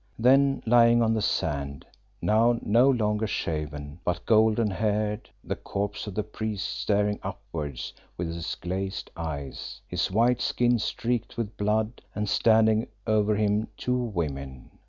Then lying on the sand, now no longer shaven, but golden haired, the corpse of the priest staring upwards with his glazed eyes, his white skin streaked with blood, and standing over him two women.